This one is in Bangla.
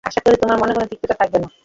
আশা করি, তোমার মনে কোন তিক্ততা থাকবে না।